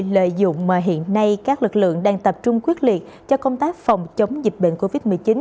lợi dụng mà hiện nay các lực lượng đang tập trung quyết liệt cho công tác phòng chống dịch bệnh covid một mươi chín